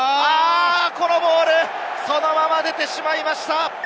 このボール、そのまま出てしまいました！